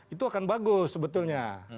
itu akan bagus sebetulnya